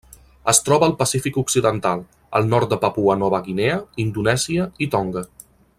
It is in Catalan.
Es troba al Pacífic occidental: el nord de Papua Nova Guinea, Indonèsia i Tonga.